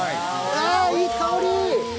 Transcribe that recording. いい香り。